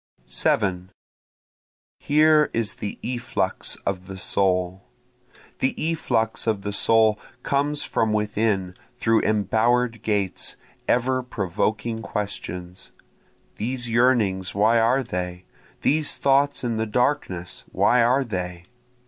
7 Here is the efflux of the soul, The efflux of the soul comes from within through embower'd gates, ever provoking questions, These yearnings why are they? these thoughts in the darkness why are they?